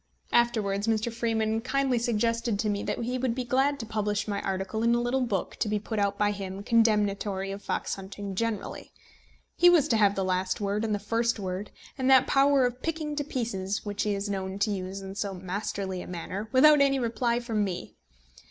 Afterwards Mr. Freeman kindly suggested to me that he would be glad to publish my article in a little book to be put out by him condemnatory of fox hunting generally. He was to have the last word and the first word, and that power of picking to pieces which he is known to use in so masterly a manner, without any reply from me!